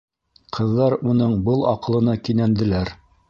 Ҡыҙҙар уның был аҡылына кинәнделәр.